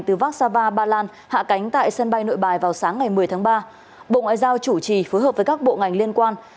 từ vác sava ba lan hạ cánh tại sân bay nội bài vào sáng ngày một mươi tháng ba bộ ngoại giao chủ trì phối hợp với các bộ ngành liên quan